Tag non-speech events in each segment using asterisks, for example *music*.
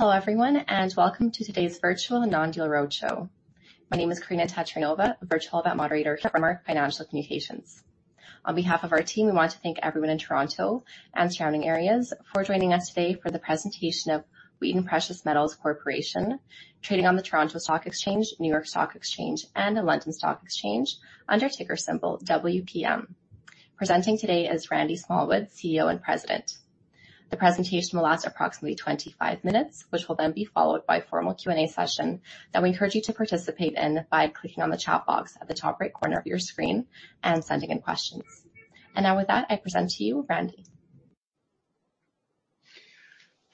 Hello, everyone, and welcome to today's virtual non-deal roadshow. My name is Karina Tatarinova, Virtual Event Moderator, Renmark Financial Communications. On behalf of our team, we want to thank everyone in Toronto and surrounding areas for joining us today for the presentation of Wheaton Precious Metals Corp., trading on the Toronto Stock Exchange, New York Stock Exchange, and the London Stock Exchange under ticker symbol WPM. Presenting today is Randy Smallwood, CEO and President. The presentation will last approximately 25 minutes, which will then be followed by a formal Q&A session that we encourage you to participate in by clicking on the chat box at the top right corner of your screen and sending in questions. Now, with that, I present to you, Randy.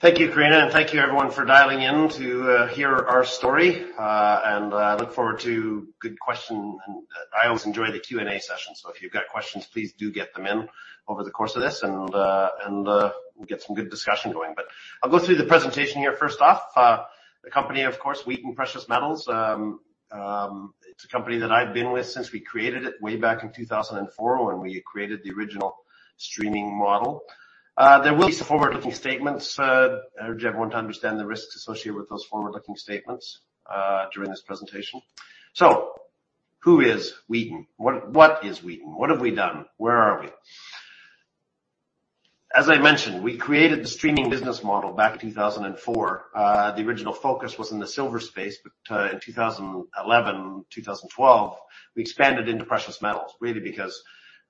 Thank you, Karina, and thank you, everyone, for dialing in to hear our story. And I look forward to good questions, and I always enjoy the Q&A session. So, if you've got questions, please do get them in over the course of this and we'll get some good discussion going. But I'll go through the presentation here, first off, the Company, of course, Wheaton Precious Metals. It's a company that I've been with since we created it way back in 2004 when we created the original streaming model. There will be some forward-looking statements. I urge everyone to understand the risks associated with those forward-looking statements during this presentation. So, who is Wheaton? What is Wheaton? What have we done? Where are we? As I mentioned, we created the streaming business model back in 2004. The original focus was in the silver space, but in 2011-2012, we expanded into precious metals, really because,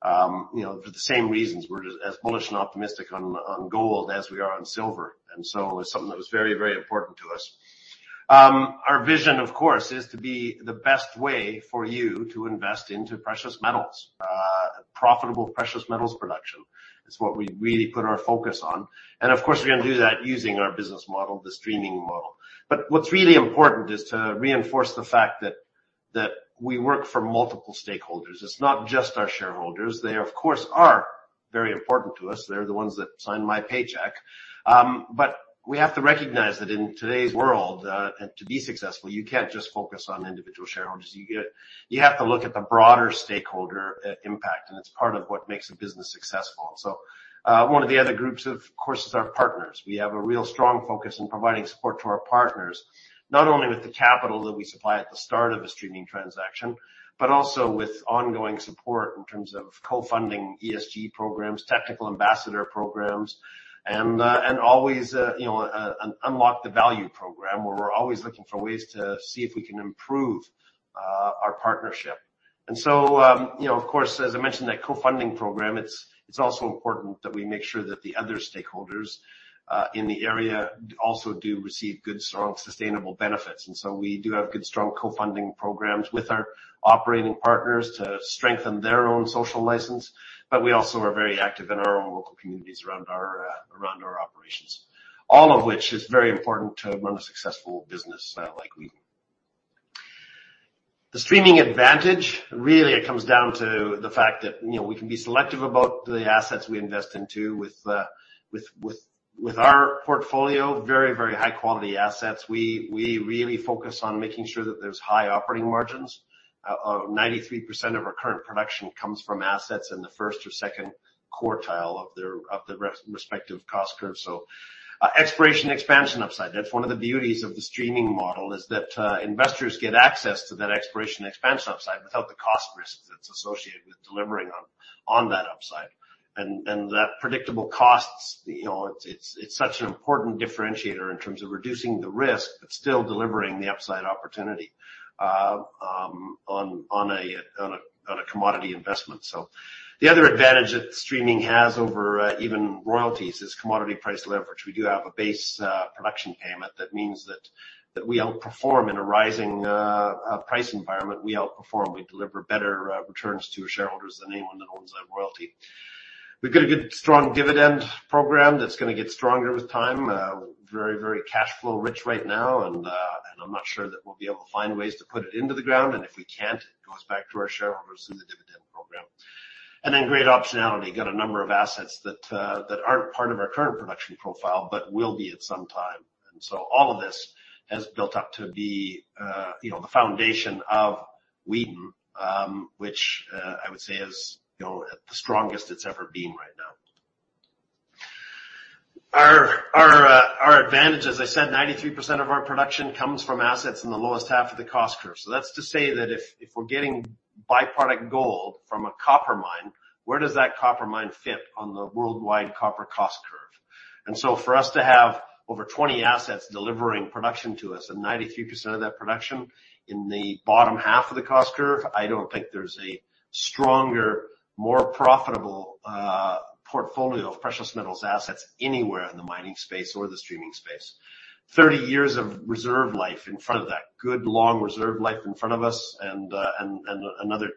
you know, for the same reasons, we're just as bullish and optimistic on gold as we are on silver. It's something that was very, very important to us. Our vision, of course, is to be the best way for you to invest into precious metals. Profitable precious metals production is what we really put our focus on. And, of course, we're gonna do that using our business model, the streaming model. What's really important is to reinforce the fact that we work for multiple stakeholders. It's not just our shareholders. They, of course, are very important to us. They're the ones that sign my paycheck. But we have to recognize that in today's world, and to be successful, you can't just focus on individual shareholders. You have to look at the broader stakeholder impact, and it's part of what makes a business successful. So, one of the other groups, of course, is our partners. We have a real strong focus on providing support to our partners, not only with the capital that we supply at the start of a streaming transaction, but also with ongoing support in terms of co-funding ESG programs, technical ambassador programs, and always, you know, unlock the value program, where we're always looking for ways to see if we can improve our partnership. And so, you know, of course, as I mentioned, that co-funding program, it's also important that we make sure that the other stakeholders in the area also do receive good, strong, sustainable benefits. So, we do have good, strong co-funding programs with our operating partners to strengthen their own social license. We also are very active in our own local communities around our operations, all of which is very important to run a successful business like Wheaton. The streaming advantage, really, it comes down to the fact that, you know, we can be selective about the assets we invest into with our portfolio, very high-quality assets. We really focus on making sure that there's high operating margins. 93% of our current production comes from assets in the first or second quartile of their respective cost curve. So, exploration expansion upside, that's one of the [beauties] of the streaming model, is that investors get access to that exploration expansion upside without the cost risk that's associated with delivering on that upside. And that predictable costs, you know, it's such an important differentiator in terms of reducing the risk, but still delivering the upside opportunity on a commodity investment. The other advantage that streaming has over even royalties is commodity price leverage. We do have a base production payment. That means that we outperform in a rising price environment. We outperform. We deliver better returns to our shareholders than anyone that owns that royalty. We've got a good, strong dividend program that's gonna get stronger with time. Very, very cash flow rich right now, and I'm not sure that we'll be able to find ways to put it into the ground, and if we can't, it goes back to our shareholders in the dividend program. Then great optionality. Got a number of assets that aren't part of our current production profile, but will be at some time. So, all of this has built up to be, you know, the foundation of Wheaton, which I would say is, you know, at the strongest it's ever been right now. Our advantage, as I said, 93% of our production comes from assets in the lowest half of the cost curve. That's to say that if we're getting by-product gold from a copper mine, where does that copper mine fit on the worldwide copper cost curve? And so for us to have over 20 assets delivering production to us and 93% of that production in the bottom half of the cost curve, I don't think there's a stronger, more profitable portfolio of precious metals assets anywhere in the mining space or the streaming space. 30 years of reserve life in front of that. Good, long reserve life in front of us and another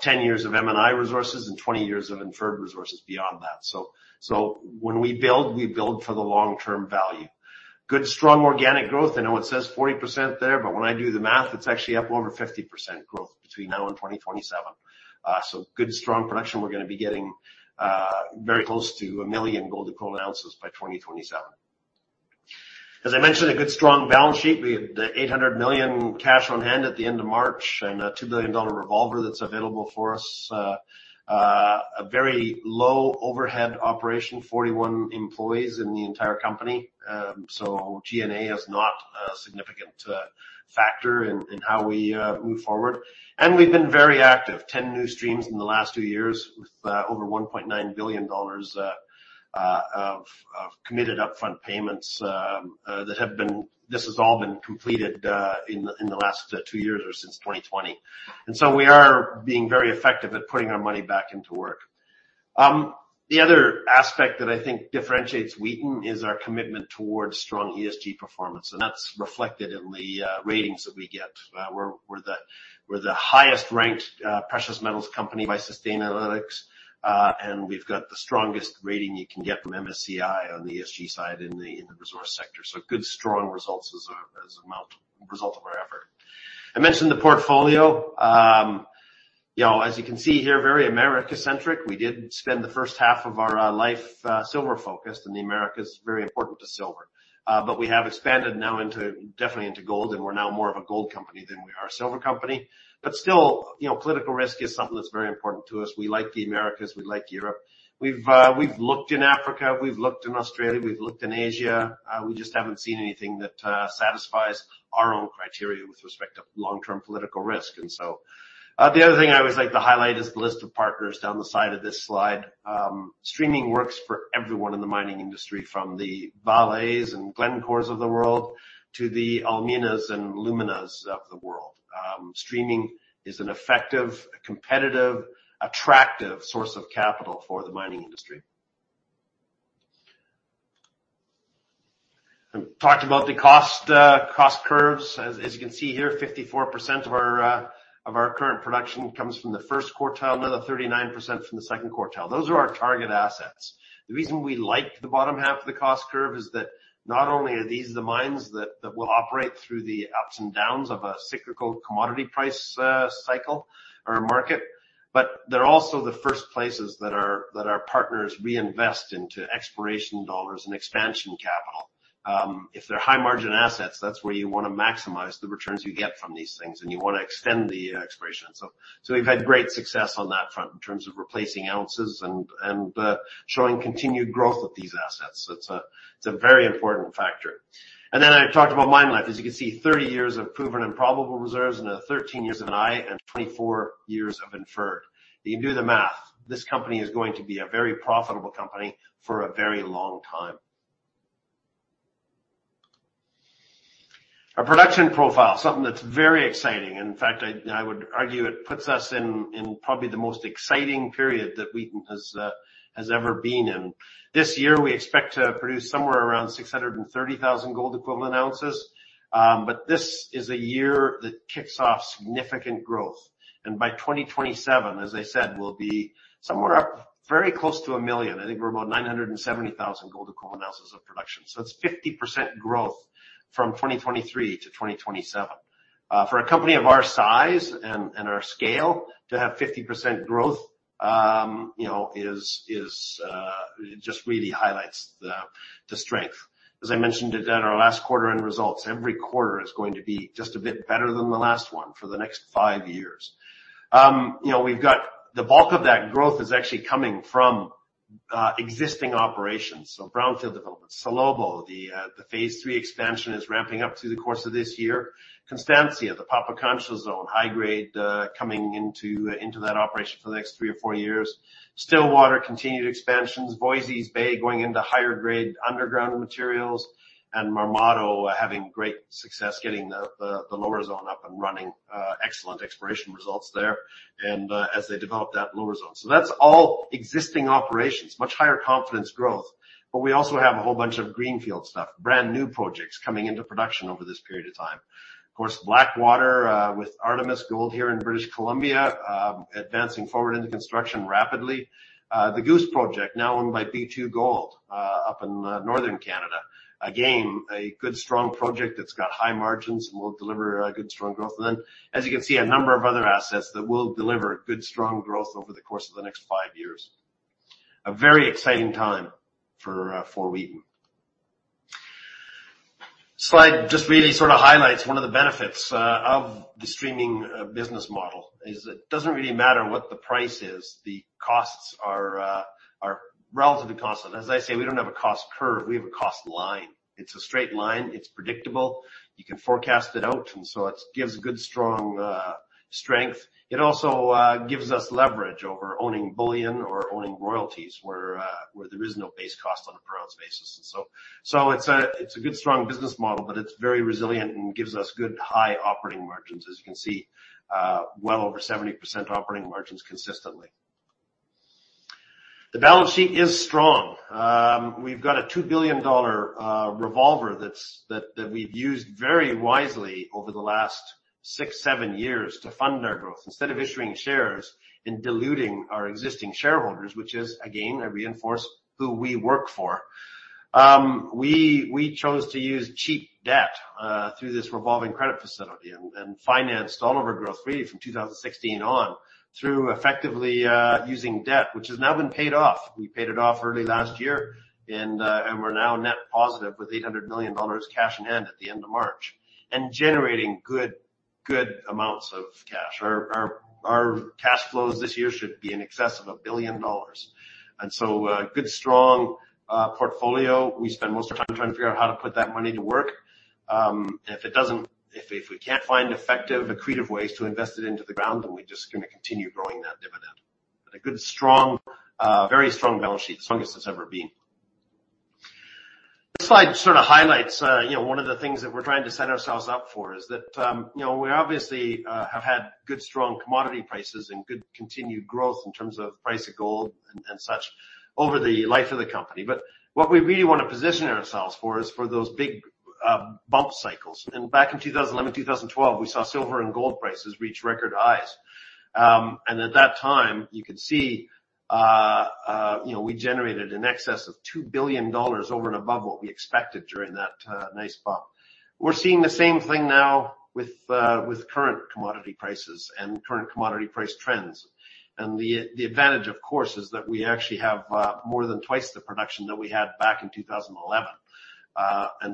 10 years of M&I resources and 20 years of inferred resources beyond that. So, when we build, we build for the long-term value. Good, strong organic growth. I know it says 40% there. When I do the math, it's actually up over 50% growth between now and 2027. So, good, strong production. We're gonna be getting very close to 1 million gold equivalent ounces by 2027. As I mentioned, a good, strong balance sheet. We have the $800 million cash on hand at the end of March, and a $2 billion revolver that's available for us. A very low overhead operation, 41 employees in the entire company. So G&A is not a significant factor in how we move forward. And, we've been very active. Ten new streams in the last 2 years, with over $1.9 billion of committed upfront payments, this has all been completed in the last 2 years or since 2020. So, we are being very effective at putting our money back into work. The other aspect that I think differentiates Wheaton is our commitment towards strong ESG performance, and that's reflected in the ratings that we get. We're the highest-ranked precious metals company by Sustainalytics, and we've got the strongest rating you can get from MSCI on the ESG side in the resource sector. So, good, strong results as [a result of our effort]. I mentioned the portfolio. You know, as you can see here, very America-centric. We did spend the first half of our life silver-focused, the Americas is very important to silver. We have expanded now into, definitely into gold, and we're now more of a gold company than we are a silver company. But still, you know, political risk is something that's very important to us. We like the Americas, we like Europe. We've looked in Africa, we've looked in Australia, we've looked in Asia, we just haven't seen anything that satisfies our own criteria with respect to long-term political risk. The other thing I always like to highlight is the list of partners down the side of this slide. Streaming works for everyone in the mining industry, from the Vales and Glencores of the world to the Alamos and Luminas of the world. Streaming is an effective, competitive, attractive source of capital for the mining industry. I talked about the cost curves. As you can see here, 54% of our current production comes from the first quartile, another 39% from the second quartile. Those are our target assets. The reason we like the bottom half of the cost curve is that not only are these the mines that will operate through the ups and downs of a cyclical commodity price cycle or market, but they're also the first places that our partners reinvest into exploration dollars and expansion capital. If they're high-margin assets, that's where you want to maximize the returns you get from these things, and you want to extend the exploration. So, we've had great success on that front in terms of replacing ounces and showing continued growth of these assets. It's a very important factor. Then I talked about mine life. As you can see, 30 years of proven and probable reserves, then 13 years of M&I, 24 years of inferred. You can do the math. This company is going to be a very profitable company for a very long time. Our production profile, something that's very exciting. In fact, I would argue it puts us in probably the most exciting period that Wheaton has ever been in. This year, we expect to produce somewhere around 630,000 gold equivalent ounces. But this is a year that kicks off significant growth, and by 2027, as I said, we'll be somewhere up very close to 1 million. I think we're about 970,000 gold equivalent ounces of production, so it's 50% growth from 2023 to 2027. For a company of our size and our scale to have 50% growth, you know, is just really highlights the strength. As I mentioned it at our last quarter end results, every quarter is going to be just a bit better than the last one for the next 5 years. ou know, we've got the bulk of that growth is actually coming from existing operations. Brownfield development, Salobo, the phase III expansion is ramping up through the course of this year. Constancia, the Pampacancha zone, high grade, coming into that operation for the next 3 or 4 years. Stillwater, continued expansions. Voisey's Bay, going into higher grade underground materials, and Marmato, having great success getting the lower zone up and running. Excellent exploration results there and as they develop that lower zone. That's all existing operations, much higher confidence growth. We also have a whole bunch of greenfield stuff, brand new projects coming into production over this period of time. Of course, Blackwater, with Artemis Gold here in British Columbia, advancing forward into construction rapidly. The Goose project, now owned by B2Gold, up in northern Canada. Again, a good, strong project that's got high margins and will deliver a good, strong growth. As you can see, a number of other assets that will deliver good, strong growth over the course of the next five years. A very exciting time for Wheaton. This slide just really sort of highlights one of the benefits of the streaming business model, it doesn't really matter what the price is, the costs are relatively constant. As I say, we don't have a cost curve, we have a cost line. It's a straight line, it's predictable, you can forecast it out, it gives good, strong strength. It also gives us leverage over owning bullion or owning royalties, where there is no base cost on a per-ounce basis. So, it's a good, strong business model, it's very resilient and gives us good high operating margins. As you can see, well over 70% operating margins consistently. The balance sheet is strong. We've got a $2 billion revolver that's that we've used very wisely over the last 6 years-7 years to fund our growth. Instead of issuing shares and diluting our existing shareholders, which is again, I reinforce, who we work for, we chose to use cheap debt through this revolving credit facility and financed all of our growth really from 2016 on, through effectively using debt, which has now been paid off. We paid it off early last year, and we're now net positive with $800 million cash in hand at the end of March, and generating good amounts of cash. Our cash flows this year should be in excess of $1 billion. So, good, strong, portfolio. We spend most of our time trying to figure out how to put that money to work. If we can't find effective, accretive ways to invest it into the ground, then we're just gonna continue growing that dividend. A good, strong, very strong balance sheet, the strongest it's ever been. This slide sort of highlights, you know, one of the things that we're trying to set ourselves up for is that, you know, we obviously, have had good, strong commodity prices and good continued growth in terms of price of gold and such over the life of the company. What we really want to position ourselves for is for those big, bump cycles. Back in 2011-2012, we saw silver and gold prices reach record highs. At that time, you know, we generated in excess of $2 billion over and above what we expected during that nice bump. We're seeing the same thing now with current commodity prices and current commodity price trends. The advantage, of course, is that we actually have more than twice the production than we had back in 2011.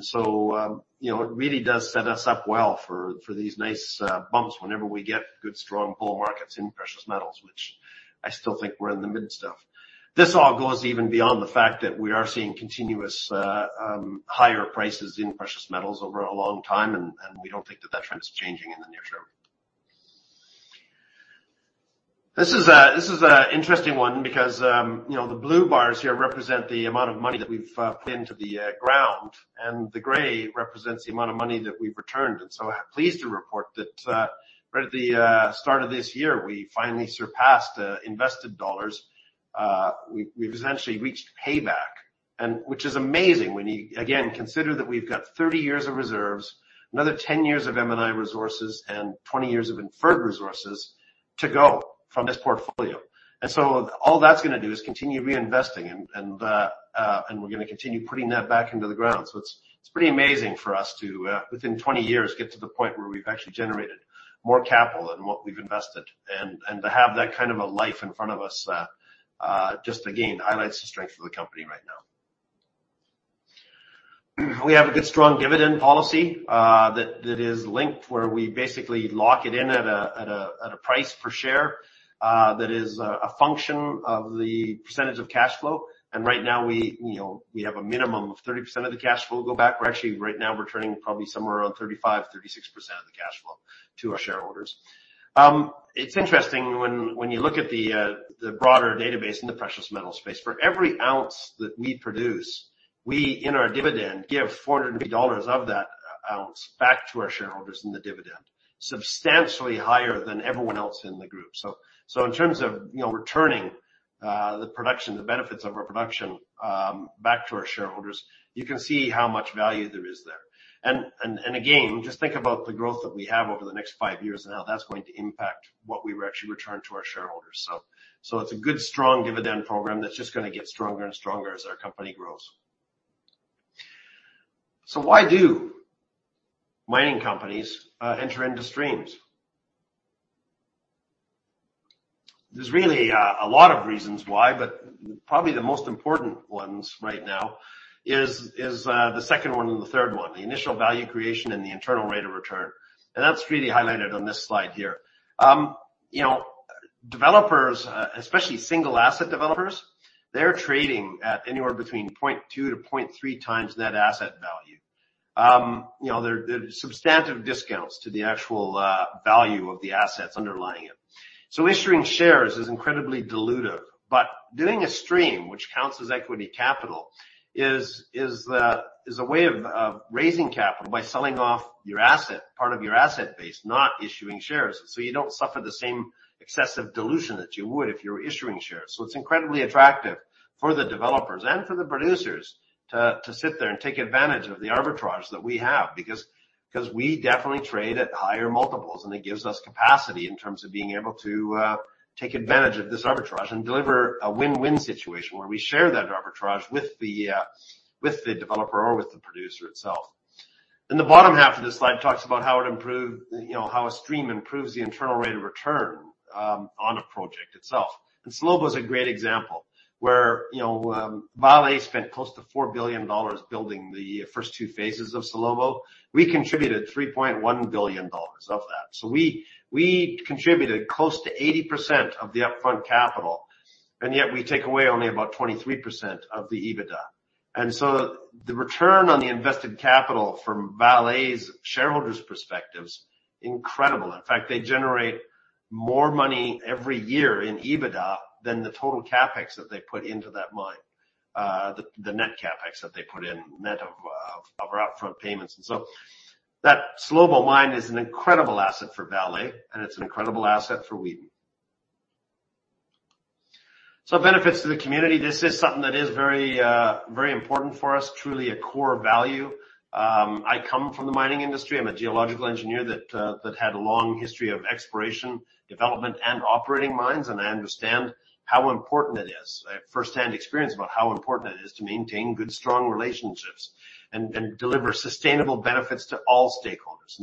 So, you know, it really does set us up well for these nice bumps whenever we get good, strong bull markets in precious metals, which I still think we're in the midst of. This all goes even beyond the fact that we are seeing continuous higher prices in precious metals over a long time, and we don't think that that trend is changing in the near term. This is an interesting one because, you know, the blue bars here represent the amount of money that we've put into the ground, and the gray represents the amount of money that we've returned. I'm pleased to report that right at the start of this year, we finally surpassed invested dollars. We've essentially reached payback, and which is amazing when you again, consider that we've got 30 years of reserves, another 10 years of M&I resources and 20 years of inferred resources to go from this portfolio. All that's gonna do is continue reinvesting, and we're gonna continue putting that back into the ground. It's pretty amazing for us to within 20 years, get to the point where we've actually generated more capital than what we've invested, and to have that kind of a life in front of us, just again, highlights the strength of the Company right now. We have a good, strong dividend policy that is linked, where we basically lock it in at a price per share that is a function of the percentage of cash flow. Right now, we, you know, we have a minimum of 30% of the cash flow go back. We're actually right now, returning probably somewhere around 35%-36% of the cash flow to our shareholders. It's interesting when you look at the broader database in the precious metal space, for every ounce that we produce, we, in our dividend, give $450 of that ounce back to our shareholders in the dividend, substantially higher than everyone else in the group. So, in terms of, you know, returning the production, the benefits of our production, back to our shareholders, you can see how much value [that] is there. Again, just think about the growth that we have over the next 5 years and how that's going to impact what we actually return to our shareholders. It's a good, strong dividend program that's just gonna get stronger and stronger as our company grows. So, why do mining companies enter into streams? There's really a lot of reasons why, but probably the most important ones right now is the second one and the third one, the initial value creation and the internal rate of return, and that's really highlighted on this slide here. You know, developers, especially single asset developers, they're trading at anywhere between 0.2x-0.3x net asset value. You know, there's substantive discounts to the actual value of the assets underlying it. Issuing shares is incredibly dilutive, but doing a stream, which counts as equity capital, is a way of raising capital by selling off your asset, part of your asset base, not issuing shares, so you don't suffer the same excessive dilution that you would if you were issuing shares. It's incredibly attractive for the developers and for the producers to sit there and take advantage of the arbitrage that we have, because we definitely trade at higher multiples, and it gives us capacity in terms of being able to take advantage of this arbitrage and deliver a win-win situation where we share that arbitrage with the developer or with the producer itself. The bottom half of this slide talks about how it improved, you know, how a stream improves the internal rate of return on a project itself. Salobo is a great example where, you know, Vale spent close to $4 billion building the first two phases of Salobo. We contributed $3.1 billion of that. We contributed close to 80% of the upfront capital, and yet we take away only about 23% of the EBITDA. And so, the return on the invested capital from Vale's shareholders perspective is incredible. In fact, they generate more money every year in EBITDA than the total CapEx that they put into that mine. The net CapEx that they put in, net of our upfront payments. That Salobo mine is an incredible asset for Vale, and it's an incredible asset for Wheaton. Benefits to the community. This is something that is very, very important for us, truly a core value. I come from the mining industry. I'm a geological engineer that had a long history of exploration, development, and operating mines. I understand how important it is. I have firsthand experience about how important it is to maintain good, strong relationships and deliver sustainable benefits to all stakeholders.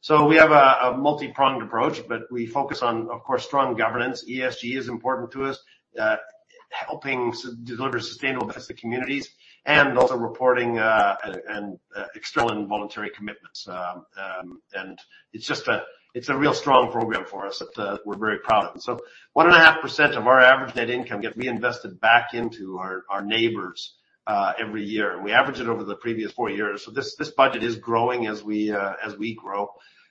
So, we have a multi-pronged approach, but we focus on, of course, strong governance. ESG is important to us. Helping deliver sustainable benefits to communities and also reporting, and external and voluntary commitments. It's just a real strong program for us that we're very proud of. One and a half % of our average net income get reinvested back into our neighbors every year. We average it over the previous four years. This budget is growing as we grow.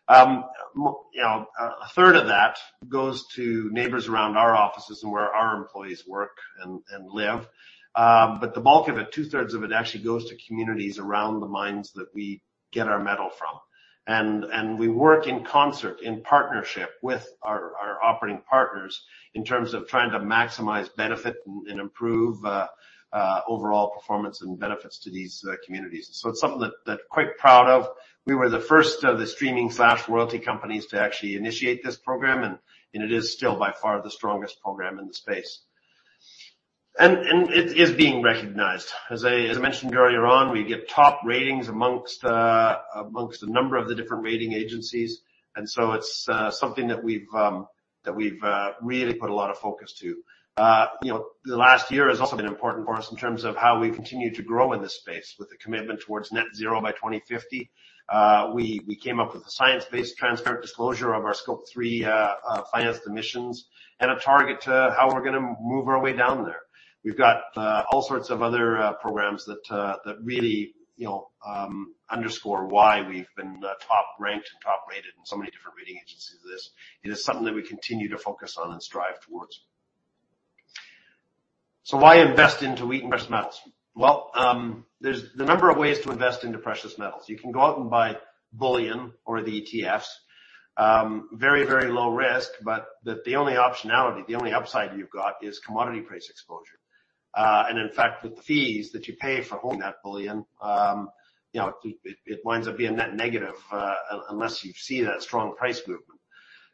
You know, 1/3 of that goes to neighbors around our offices and where our employees work and live. The bulk of it, 2/3 of it, actually goes to communities around the mines that we get our metal from. We work in concert, in partnership with our operating partners, in terms of trying to maximize benefit and improve overall performance and benefits to these communities. It's something that quite proud of. We were the first of the streaming/royalty companies to actually initiate this program. It is still by far the strongest program in the space. And, it is being recognized. As I mentioned earlier on, we get top ratings amongst a number of the different rating agencies. It's something that we've really put a lot of focus to. You know, the last year has also been important for us in terms of how we continue to grow in this space with the commitment towards net zero by 2050. We came up with a science-based, transparent disclosure of our Scope 3 financed emissions and a target to how we're gonna move our way down there. We've got all sorts of other programs that really, you know, underscore why we've been top ranked and top rated in so many different rating agencies of this. It is something that we continue to focus on and strive towards. So, why invest into Wheaton Precious Metals? Well, there's the number of ways to invest into precious metals. You can go out and buy bullion or the ETFs. Very, very low risk, but the only optionality, the only upside you've got is commodity price exposure. In fact, with the fees that you pay for holding that bullion, you know, it winds up being net negative unless you see that strong price movement.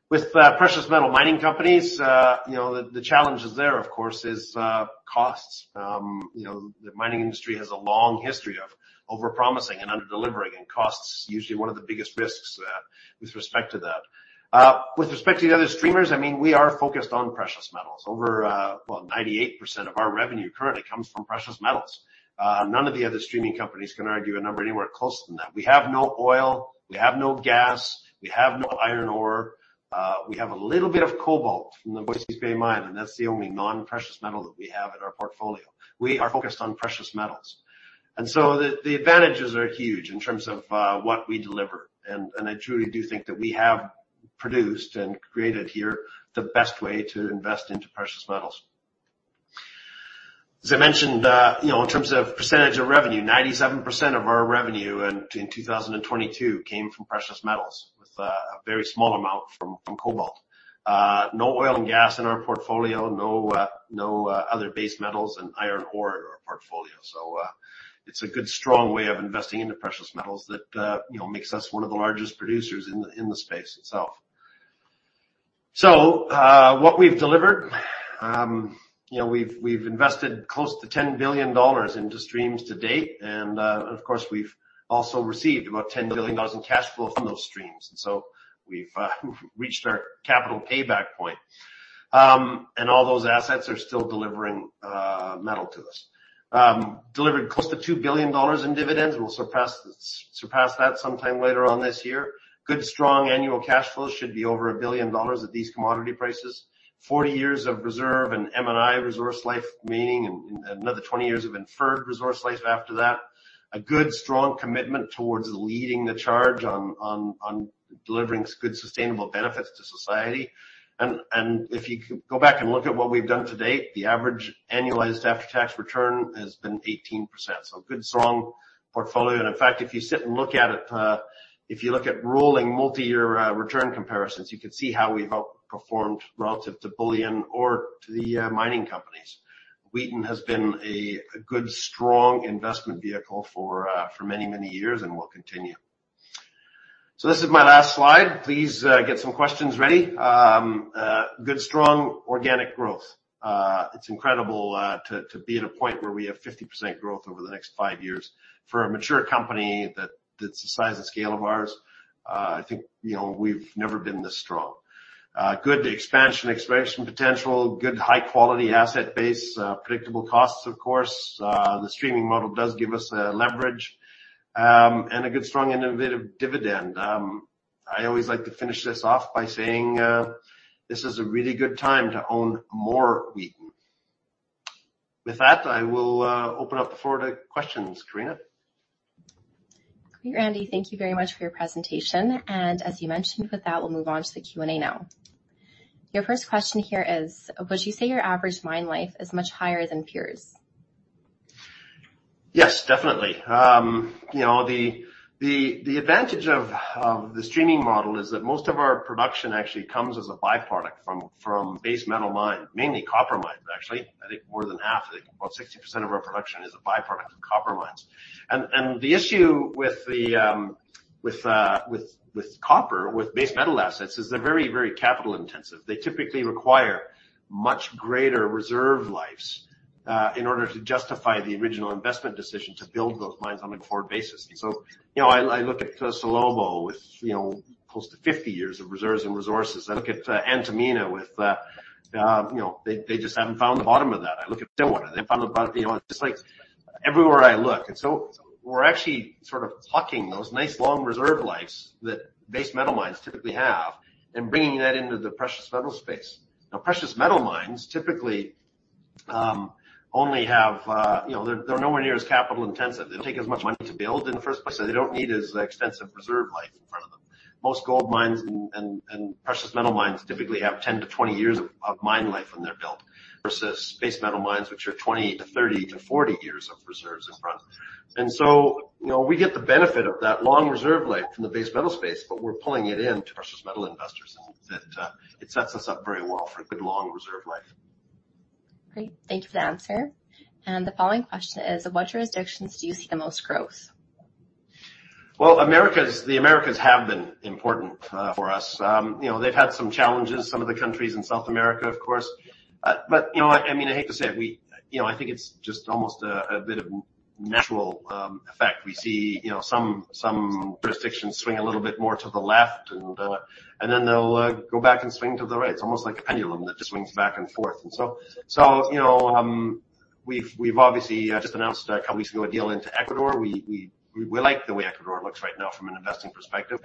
With precious metal mining companies, you know, the challenge is there, of course, is costs. You know, the mining industry has a long history of overpromising and under delivering, and cost's usually one of the biggest risks with respect to that. With respect to the other streamers, I mean, we are focused on precious metals. Over, well, 98% of our revenue currently comes from precious metals. None of the other streaming companies can argue a number anywhere close to that. We have no oil, we have no gas, we have no iron ore. We have a little bit of cobalt from the Voisey's Bay Mine, and that's the only non-precious metal that we have in our portfolio. We are focused on precious metals. So, the advantages are huge in terms of what we deliver, and I truly do think that we have produced and created here the best way to invest into precious metals. As I mentioned, you know, in terms of percentage of revenue, 97% of our revenue in 2022 came from precious metals, with a very small amount from cobalt. No oil and gas in our portfolio, no other base metals and iron ore in our portfolio. So, it's a good, strong way of investing into precious metals that, you know, makes us one of the largest producers in the, in the space itself. What we've delivered, you know, we've invested close to $10 billion into streams to date. Of course, we've also received about $10 billion in cash flow from those streams. So, we've reached our capital payback point. All those assets are still delivering metal to us. Delivered close to $2 billion in dividends. We'll surpass that sometime later on this year. Good, strong annual cash flow should be over $1 billion at these commodity prices. 40 years of reserve and M&I resource life, meaning and another 20 years of inferred resource life after that. A good, strong commitment towards leading the charge on delivering good, sustainable benefits to society. If you could go back and look at what we've done to date, the average annualized after-tax return has been 18%. A good, strong portfolio. In fact, if you sit and look at it, if you look at rolling multi-year return comparisons, you can see how we've outperformed relative to bullion or to the mining companies. Wheaton has been a good, strong investment vehicle for many years and will continue. This is my last slide. Please get some questions ready. Good, strong organic growth. It's incredible to be at a point where we have 50% growth over the next five years. For a mature company that's the size and scale of ours, I think, you know, we've never been this strong. Good expansion potential, good high-quality asset base, predictable costs, of course. The streaming model does give us leverage, and a good, strong, innovative dividend. I always like to finish this off by saying, this is a really good time to own more Wheaton. With that, I will open up the floor to questions. Karina? [Great], Randy. Thank you very much for your presentation, and as you mentioned, with that, we'll move on to the Q&A now. Your first question here is: Would you say your average mine life is much higher than peers? Yes, definitely. You know, the advantage of the streaming model is that most of our production actually comes as a by-product from base metal mine, mainly copper mines, actually. I think more than half, I think about 60% of our production is a by-product of copper mines. The issue with copper, with base metal assets is they're very, very capital intensive. They typically require much greater reserve lives in order to justify the original investment decision to build those mines on a forward basis. You know, I look at Salobo with, you know, close to 50 years of reserves and resources. I look at Antamina with, you know, they just haven't found the bottom of that. I look at Stillwater, they found the bottom, you know, just like everywhere I look. We're actually sort of plucking those nice, long reserve lives that base metal mines typically have and bringing that into the precious metal space. precious metal mines typically only have, you know, they're nowhere near as capital intensive. They don't take as much money to build in the first place, so they don't need as extensive reserve life in front of them. Most gold mines and precious metal mines typically have 10-20 years of mine life when they're built, versus base metal mines, which are 20 years-30 years-40 years of reserves in front. And so, you know, we get the benefit of that long reserve life from the base metal space, but we're pulling it in to precious metal investors, and that, it sets us up very well for a good, long reserve life. Great, thank you for the answer. The following question is: What jurisdictions do you see the most growth? Well, Americas, the Americas have been important for us. you know, they've had some challenges, some of the countries in South America, of course. you know, I mean, I hate to say it, you know, I think it's just almost a bit of natural effect. We see, you know, some jurisdictions swing a little bit more to the left, and then they'll go back and swing to the right. It's almost like a pendulum that just swings back and forth. So, you know, we've obviously just announced [two weeks ago], a deal into Ecuador. We like the way Ecuador looks right now from an investing perspective.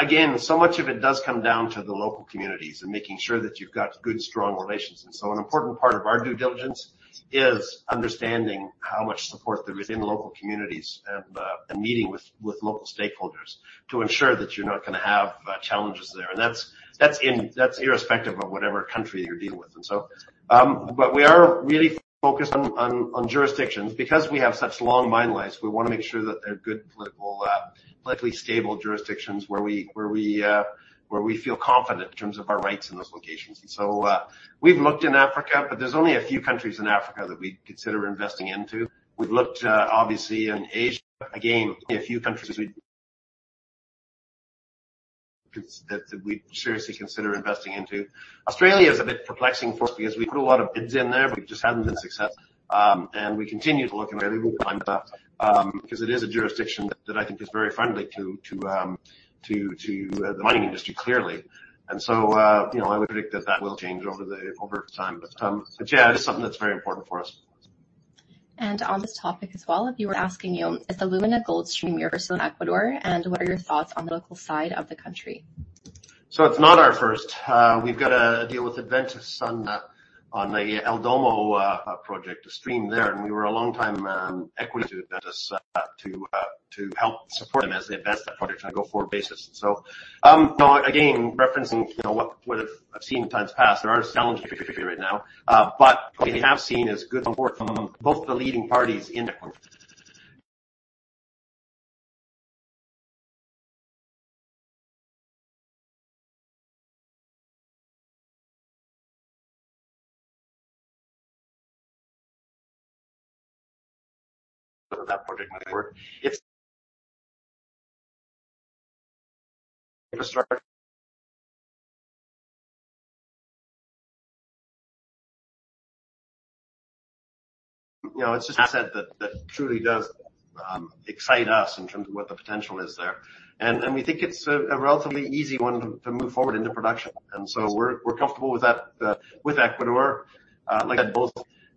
Again, so much of it does come down to the local communities and making sure that you've got good, strong relations. An important part of our due diligence is understanding how much support there is in the local communities and meeting with local stakeholders to ensure that you're not gonna have challenges there. That's irrespective of whatever country you're dealing with. We are really focused on jurisdictions. Because we have such long mine lives, we wanna make sure that they're good political -- politically stable jurisdictions, where we feel confident in terms of our rights in those locations. We've looked in Africa, but there's only a few countries in Africa that we'd consider investing into. We've looked, obviously, in Asia, again, a few countries that we'd seriously consider investing into. Australia is a bit perplexing for us because we put a lot of bids in there, but we just haven't been successful. We continue to look in [Australia], because it is a jurisdiction that I think is very friendly to the mining industry, clearly. You know, I would predict that that will change over time. Yeah, it is something that's very important for us. On this topic as well, a viewer asking you: Is the Lumina Gold Stream your first in Ecuador, and what are your thoughts on the local side of the country? It's not our first. We've got a deal with Adventus on the El Domo project, a stream there, and we were a long time equity investor to help support them as they advance that project on a go-forward basis. You know, again, referencing, you know, what I've seen in times past, there are challenges right now. What we have seen is good support from both the leading parties in Ecuador. *inaudible* That project might work. You know, *inaudible* it's just an asset that truly does excite us in terms of what the potential is there. And we think it's a relatively easy one to move forward into production and so we're comfortable with that with Ecuador. Like I said, both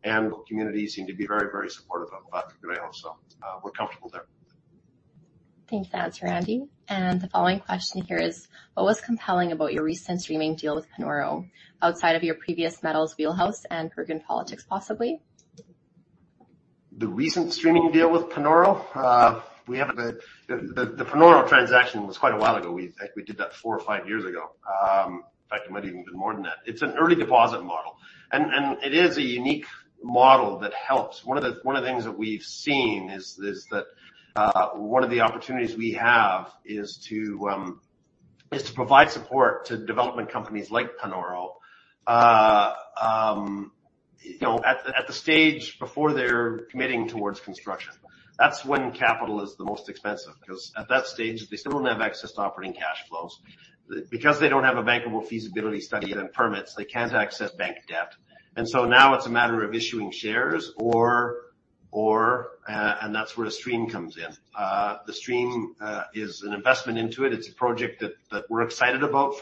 and communities seem to be very, very supportive of the deal, so we're comfortable there. Thank you for the answer, Andy. The following question here is: What was compelling about your recent streaming deal with Panoro, outside of your precious metals wheelhouse and Peruvian politics, possibly? The recent streaming deal with Panoro. We have the Panoro transaction was quite a while ago. We, I think we did that 4 years-5 years ago. In fact, it might even been more than that. It's an early deposit model, and it is a unique model that helps. One of the things that we've seen is that, one of the opportunities we have is to provide support to development companies like Panoro, you know, at the stage before they're committing towards construction. That's when capital is the most expensive, because at that stage, they still don't have access to operating cash flows. Because they don't have a bankable feasibility study and permits, they can't access bank debt. Now it's a matter of issuing shares or, and that's where the stream comes in. The stream is an investment into it. It's a project that we're excited about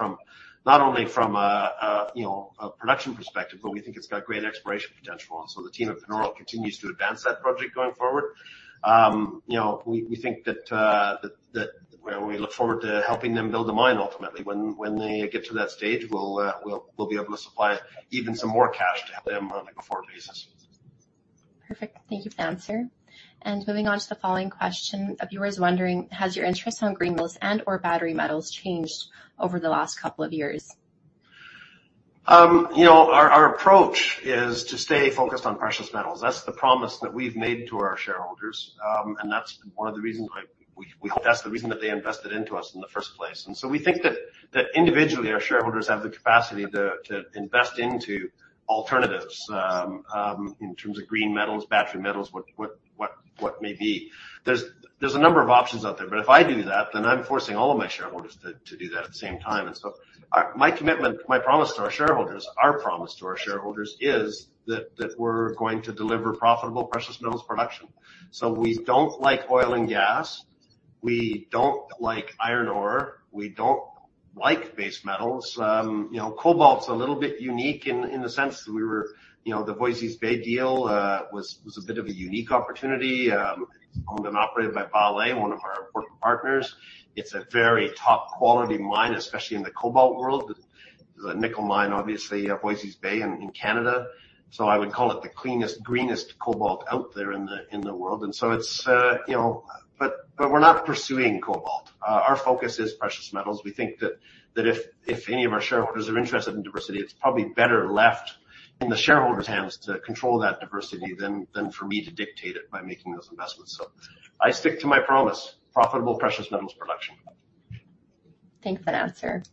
not only from a, you know, a production perspective, but we think it's got great exploration potential. The team at Panoro continues to advance that project going forward. you know, we think that, we look forward to helping them build a mine ultimately. When they get to that stage, we'll be able to supply even some more cash to help them on a going forward basis. Perfect. Thank you for the answer. Moving on to the following question, a viewer is wondering: Has your interest on green metals and/or battery metals changed over the last couple of years? You know, our approach is to stay focused on precious metals. That's the promise that we've made to our shareholders. That's one of the reasons why we hope that's the reason that they invested into us in the first place. We think that individually, our shareholders have the capacity to invest into alternatives, in terms of green metals, battery metals, what may be. There's a number of options out there. If I do that, then I'm forcing all of my shareholders to do that at the same time. My commitment, my promise to our shareholders -- our promise to our shareholders is that we're going to deliver profitable precious metals production. We don't like oil and gas, we don't like iron ore, we don't like base metals. Cobalt's a little bit unique in the sense that we were, the Voisey's Bay deal was a bit of a unique opportunity, owned and operated by Vale, one of our important partners. It's a very top-quality mine, especially in the cobalt world. The nickel mine, obviously, Voisey's Bay in Canada. I would call it the cleanest, greenest cobalt out there in the world. it's. We're not pursuing cobalt. Our focus is precious metals. We think that if any of our shareholders are interested in diversity, it's probably better left in the shareholders' hands to control that diversity than for me to dictate it by making those investments. I stick to my promise: profitable precious metals production. Thanks for that answer.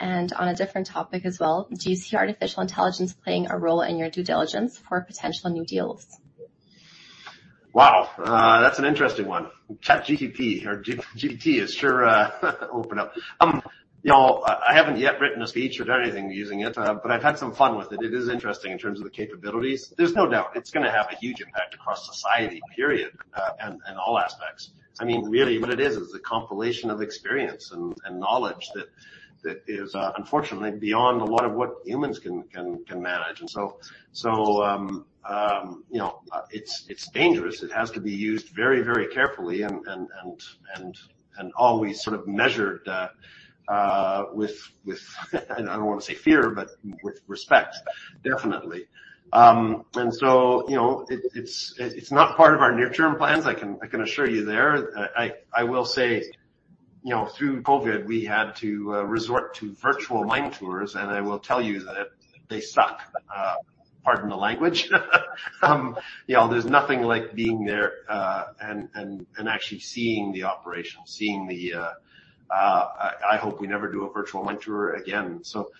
On a different topic as well, do you see artificial intelligence playing a role in your due diligence for potential new deals? Wow! That's an interesting one. ChatGPT or GPT has sure opened up. You know, I haven't yet written a speech or done anything using it, but I've had some fun with it. It is interesting in terms of the capabilities. There's no doubt it's gonna have a huge impact across society, period, and, in all aspects. I mean, really, what it is a compilation of experience and knowledge that is unfortunately beyond a lot of what humans can manage. You know, it's dangerous. It has to be used very, very carefully and always sort of measured with I don't want to say fear, but with respect, definitely. You know, it's not part of our near-term plans. I can assure you there. I will say, you know, through COVID, we had to resort to virtual mine tours, and I will tell you that they suck. Pardon the language. You know, there's nothing like being there and actually seeing the operation, seeing the -- I hope we never do a virtual mine tour again. So,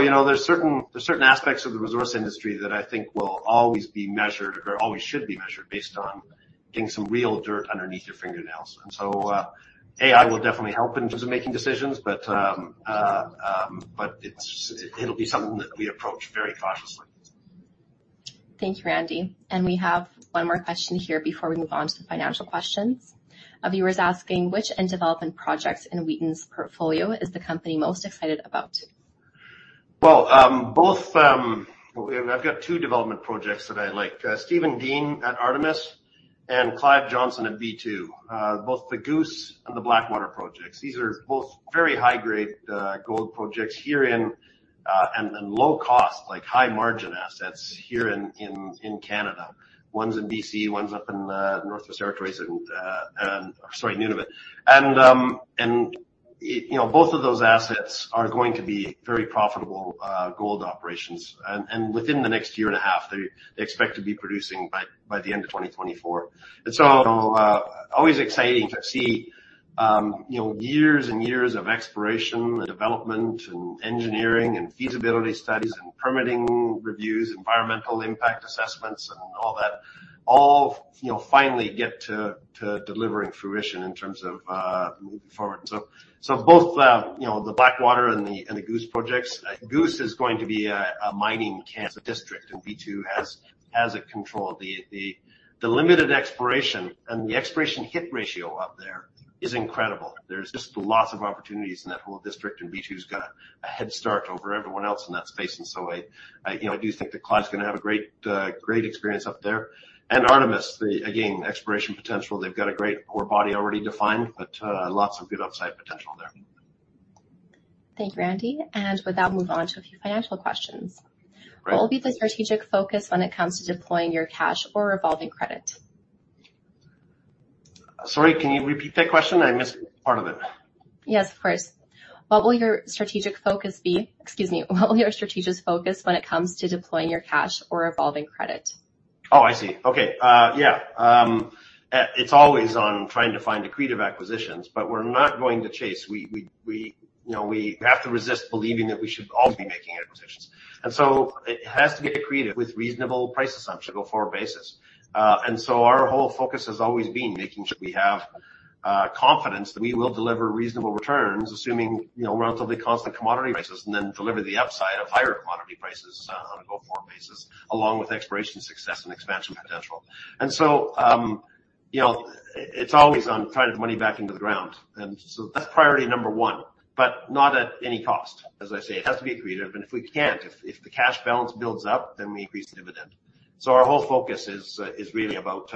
you know, there's certain aspects of the resource industry that I think will always be measured or always should be measured based on getting some real dirt underneath your fingernails. So AI will definitely help in terms of making decisions, but it'll be something that we approach very cautiously. Thank you, Randy. We have one more question here before we move on to the financial questions. A viewer is asking: Which end development projects in Wheaton's portfolio is the Company most excited about? Well, both, well, I've got 2 development projects that I like. Steven Dean at Artemis and Clive Johnson at B2. Both the Goose and the Blackwater projects. These are both very high-grade gold projects here in, and low cost, like high-margin assets here in Canada. One's in B.C., one's up in Northwest Territories and -- sorry, Nunavut. And, you know, both of those assets are going to be very profitable gold operations, and within the next year and a half, they expect to be producing by the end of 2024. Always exciting to see, you know, years and years of exploration and development, and engineering, and feasibility studies, and permitting reviews, environmental impact assessments, and all that, you know, finally get to deliver in fruition in terms of moving forward. Both, you know, the Blackwater and the Goose projects, Goose is going to be a mining camp, a district, and B2 has it controlled. The limited exploration and the exploration hit ratio up there is incredible. There's just lots of opportunities in that whole district, and B2's got a head start over everyone else in that space. So, you know, I do think that Clive's gonna have a great experience up there. And Artemis, the, again, exploration potential, they've got a great ore body already defined, but, lots of good upside potential there. Thank you, Randy. With that, move on to a few financial questions. Great. What will be the strategic focus when it comes to deploying your cash or revolving credit? Sorry, can you repeat that question? I missed part of it. Yes, of course. Excuse me. What will your strategic focus when it comes to deploying your cash or revolving credit? I see. Okay, yeah. It's always on trying to find accretive acquisitions, but we're not going to chase. We, you know, we have to resist believing that we should always be making acquisitions. It has to be accretive with reasonable price assumption go-forward basis. Our whole focus has always been making sure we have confidence that we will deliver reasonable returns, assuming, you know, relatively constant commodity prices, and then deliver the upside of higher commodity prices on a go-forward basis, along with exploration, success, and expansion potential. So, you know, it's always on trying to get money back into the ground, and so that's priority number one, but not at any cost. As I say, it has to be accretive, and if we can't, if the cash balance builds up, then we increase the dividend. So our whole focus is really about,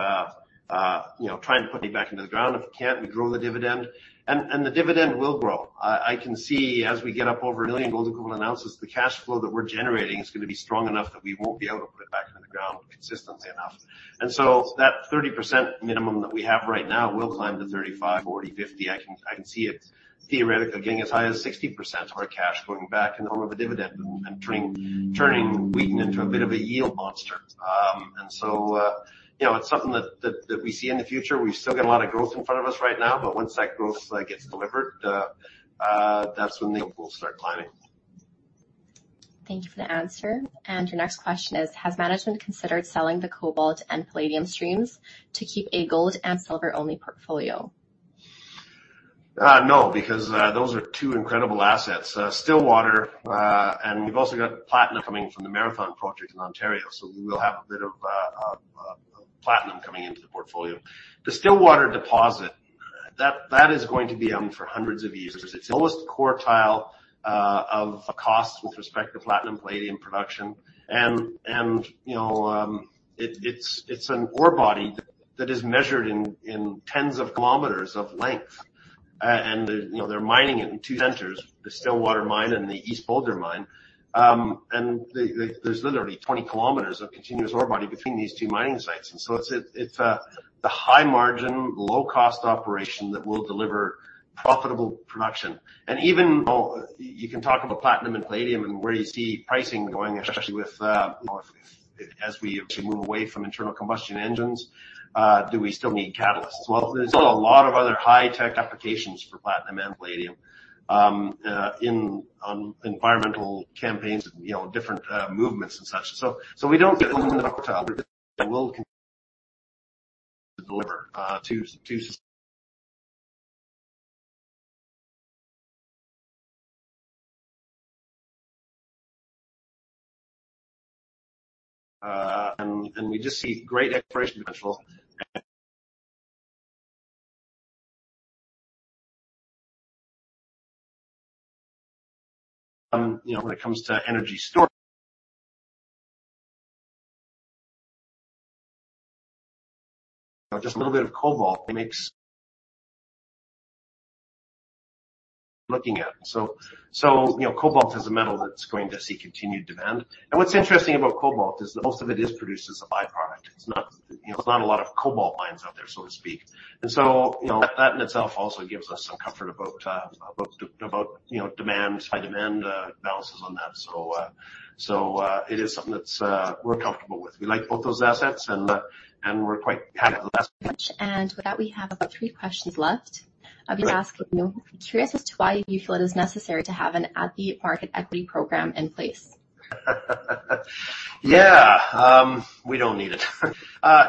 you know, trying to put money back into the ground. If we can't, we grow the dividend, and the dividend will grow. I can see as we get up over 1 million gold equivalent ounces, the cash flow that we're generating is gonna be strong enough that we won't be able to put it back into the ground consistently enough. That 30% minimum that we have right now will climb to 35%, 40%, 50%. I can see it theoretically getting as high as 60% of our cash going back in the form of a dividend and turning Wheaton into a bit of a yield monster. So, you know, it's something that we see in the future. We've still got a lot of growth in front of us right now, but once that growth gets delivered, that's when the [yield] will start climbing. Thank you for the answer. Your next question is: Has management considered selling the cobalt and palladium streams to keep a gold and silver-only portfolio? No, because those are two incredible assets. Stillwater, and we've also got platinum coming from the Marathon project in Ontario, so we will have a bit of platinum coming into the portfolio. The Stillwater deposit, that is going to be around for hundreds of years. It's the lowest quartile of a cost with respect to platinum, palladium production. You know, it's an ore body that is measured in tens of kilometers of length. You know, they're mining it in two centers, the Stillwater mine and the East Boulder mine. There's literally 20 kilometers of continuous ore body between these two mining sites. It's the high margin, low-cost operation that will deliver profitable production. And even, you know, you can talk about platinum and palladium and where you see pricing going, especially with as we move away from internal combustion engines, do we still need catalysts? Well, there's still a lot of other high-tech applications for platinum and palladium in environmental campaigns and, you know, different movements and such. So, we don't [get will deliver to... ] *inaudible* and we just see great exploration potential. you know, *inaudible* when it comes to energy storage, *inaudible* just a little bit of cobalt makes *inaudible* looking at. So, you know, cobalt is a metal that's going to see continued demand. What's interesting about cobalt is that most of it is produced as a by-product. It's not, you know, it's not a lot of cobalt mines out there, so to speak. So, you know, that in itself also gives us some comfort about, you know, demand, high demand, balances on that. So it is something that's we're comfortable with. We like both those assets, and we're quite happy with that. With that, we have about three questions left. Great. I'll be asking you, curious as to why you feel it is necessary to have an at-the-market equity program in place? Yeah, we don't need it.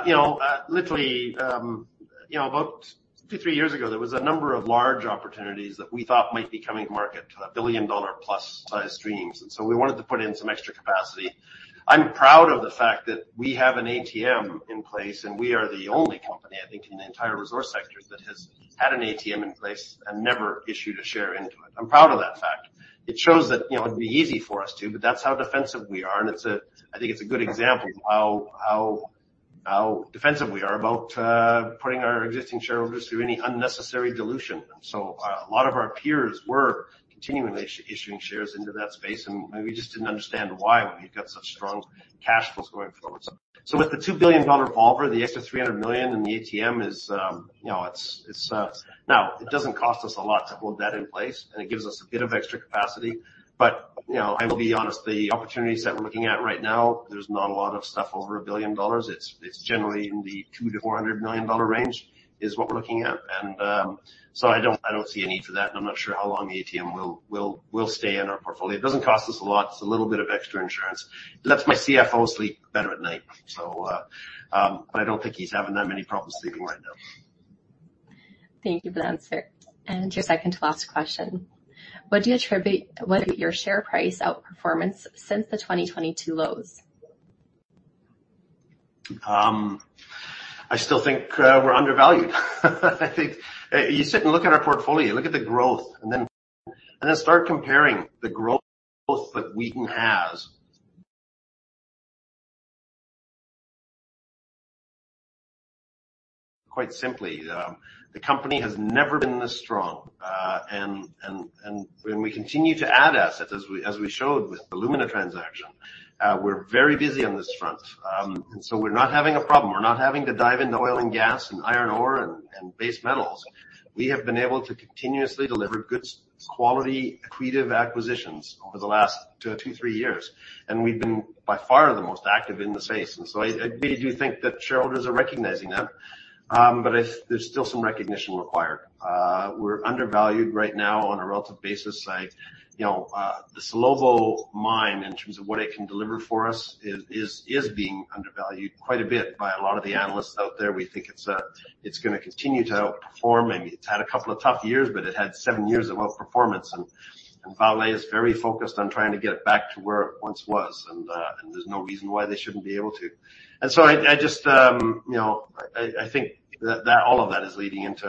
You know, literally, you know, about 2 years-3 years ago, there was a number of large opportunities that we thought might be coming to market, a billion-dollar-plus-sized streams, and so we wanted to put in some extra capacity. I'm proud of the fact that we have an ATM in place, and we are the only company, I think, in the entire resource sector, that has had an ATM in place and never issued a share into it. I'm proud of that fact. It shows that, you know, it'd be easy for us to, but that's how defensive we are, and I think it's a good example of how defensive we are about putting our existing shareholders through any unnecessary dilution. A lot of our peers were continually issuing shares into that space, and we just didn't understand why we've got such strong cash flows going forward. With the $2 billion revolver, the extra $300 million in the ATM is, you know, it's -- now, it doesn't cost us a lot to hold that in place, and it gives us a bit of extra capacity. But, you know, I will be honest, the opportunities that we're looking at right now, there's not a lot of stuff over $1 billion. It's generally in the $200 million-$400 million range, is what we're looking at. I don't see a need for that, and I'm not sure how long the ATM will stay in our portfolio. It doesn't cost us a lot. It's a little bit of extra insurance. It lets my CFO sleep better at night. I don't think he's having that many problems sleeping right now. Thank you for the answer. Your second to last question: What do you attribute, what is your share price outperformance since the 2022 lows? I still think we're undervalued. I think you sit and look at our portfolio, look at the growth, and then start comparing the growth that Wheaton has. *inaudible* Quite simply, the company has never been this strong. When we continue to add assets, as we showed with the Lumina transaction, we're very busy on this front. We're not having a problem. We're not having to dive into oil and gas and iron ore and base metals. We have been able to continuously deliver good quality, accretive acquisitions over the last 2 years-3 years, and we've been by far the most active in the space. I really do think that shareholders are recognizing that, but I think there's still some recognition required. We're undervalued right now on a relative basis. Like, you know, the Salobo mine, in terms of what it can deliver for us, is being undervalued quite a bit by a lot of the analysts out there. We think it's gonna continue to outperform, and it's had a couple of tough years, but it had seven years of outperformance. Vale is very focused on trying to get it back to where it once was, and there's no reason why they shouldn't be able to. I just, you know, I think that all of that is leading into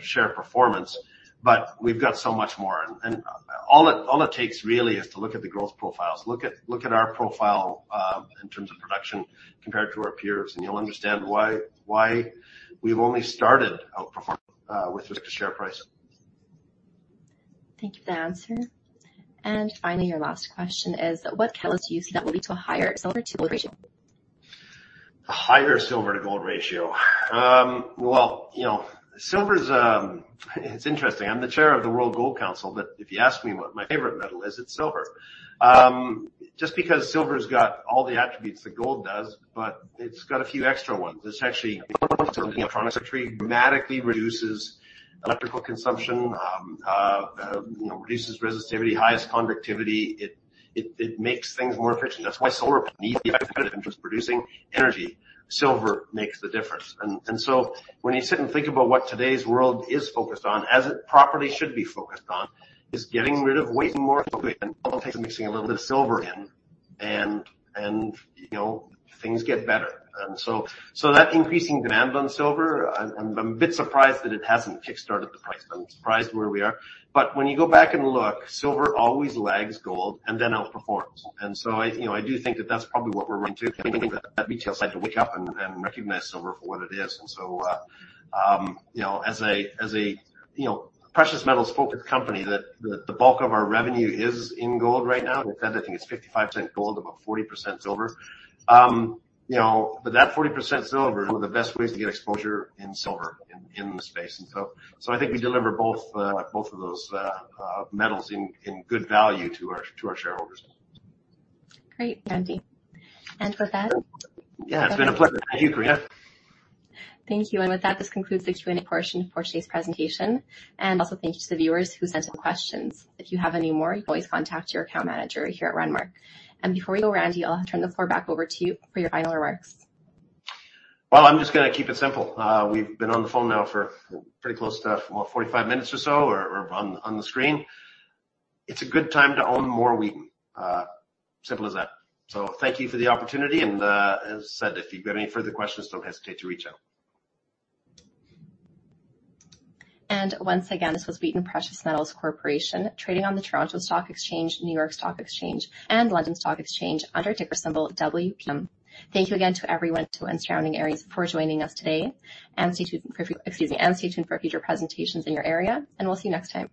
share performance, but we've got so much more. All it takes really is to look at the growth profiles. Look at our profile, in terms of production compared to our peers, you'll understand why we've only started outperforming with respect to share price. Thank you for the answer. And finally, your last question is: What catalyst do you see that will lead to a higher silver to gold ratio? Higher silver to gold ratio. Well, you know, silver is, it's interesting. I'm the Chair of the World Gold Council, but if you ask me what my favorite metal is, it's silver. Just because silver's got all the attributes that gold does, but it's got a few extra ones. It's actually dramatically reduces electrical consumption, you know, reduces resistivity, highest conductivity. It makes things more efficient. That's why solar needs [competitive interest] producing energy. Silver makes the difference. And so, when you sit and think about what today's world is focused on, as it properly should be focused on, is getting rid of weight and more often mixing a little bit of silver in and, you know, things get better. So that increasing demand on silver, I'm a bit surprised that it hasn't kickstarted the price. I'm surprised where we are. But when you go back and look, silver always lags gold and then outperforms. I, you know, I do think that that's probably what we're running to, that retail side to wake up and recognize silver for what it is. So, you know, as a, you know, precious metals-focused company, that the bulk of our revenue is in gold right now. I think it's 55% gold, about 40% silver. You know, but that 40% silver, one of the best ways to get exposure in silver in the space. I think we deliver both of those metals in good value to our shareholders. Great, Randy. And with that *inaudible* Yeah, it's been a pleasure. Thank you, Karina. Thank you. With that, this concludes the Q&A portion for today's presentation. Also thank you to the viewers who sent some questions. If you have any more, you can always contact your account manager here at Renmark. Before we go, Randy, I'll turn the floor back over to you for your final remarks. Well, I'm just gonna keep it simple. We've been on the phone now for pretty close to about 45 minutes or so on the screen. It's a good time to own more Wheaton. Simple as that. Thank you for the opportunity and, as I said, if you've got any further questions, don't hesitate to reach out. Once again, this was Wheaton Precious Metals Corporation, trading on the Toronto Stock Exchange, New York Stock Exchange, and London Stock Exchange under ticker symbol WPM. Thank you again to everyone to and surrounding areas for joining us today. Stay tuned, -- excuse me, and stay tuned for future presentations in your area, and we'll see you next time.